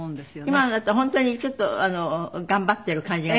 今のだと本当にちょっと頑張っている感じが出ましたね。